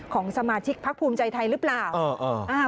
ของสมาชิกพักภูมิใจไทยหรือเปล่า